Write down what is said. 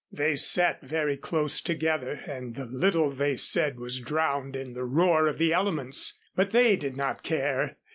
They sat very close together, and the little they said was drowned in the roar of the elements. But they did not care.